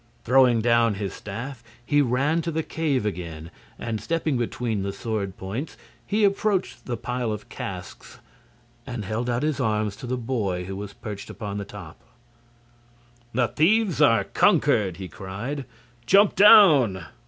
Throwing down his staff he ran to the cave again, and stepping between the sword points he approached the pile of casks and held out his arms to the boy who was perched upon the top. "The thieves are conquered," he cried. "Jump down!"